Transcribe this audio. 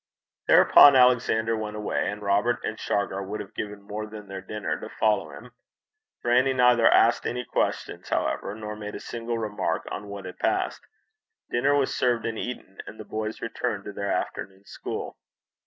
Thereupon Alexander went away, and Robert and Shargar would have given more than their dinner to follow him. Grannie neither asked any questions, however, nor made a single remark on what had passed. Dinner was served and eaten, and the boys returned to their afternoon school.